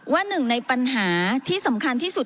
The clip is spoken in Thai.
หนึ่งในปัญหาที่สำคัญที่สุด